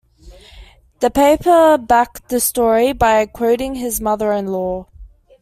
The paper backed the story by quoting his mother-in-law.